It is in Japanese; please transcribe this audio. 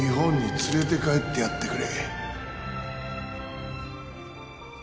連れて帰ってやってくれ